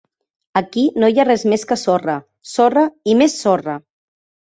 Aquí no hi ha res més que sorra, sorra i més sorra.